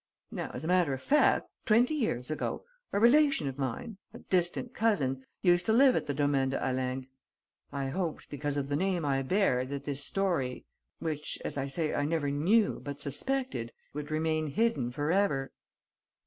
Now, as a matter of fact, twenty years ago, a relation of mine, a distant cousin, used to live at the Domaine de Halingre. I hoped, because of the name I bear, that this story, which, as I say, I never knew but suspected, would remain hidden for ever."